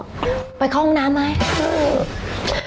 ไปเข้าห้องน้ำไหม